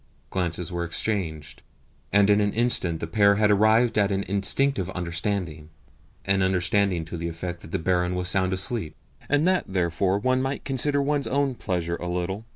Glances were exchanged, and in an instant the pair had arrived at an instinctive understanding an understanding to the effect that the barin was sound asleep, and that therefore one might consider one's own pleasure a little.